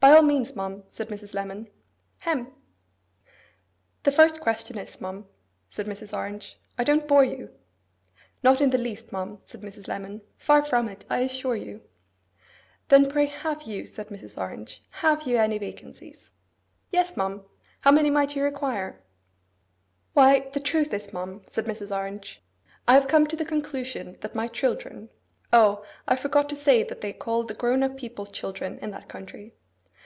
'By all means, ma'am,' said Mrs. Lemon. 'Hem!' 'The first question is, ma'am,' said Mrs. Orange, 'I don't bore you?' 'Not in the least, ma'am,' said Mrs. Lemon. 'Far from it, I assure you.' 'Then pray have you,' said Mrs. Orange,—'have you any vacancies?' 'Yes, ma'am. How many might you require?' 'Why, the truth is, ma'am,' said Mrs. Orange, 'I have come to the conclusion that my children,'—O, I forgot to say that they call the grown up people children in that country!